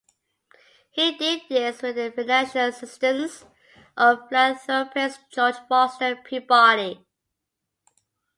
He did this with the financial assistance of philanthropist George Foster Peabody.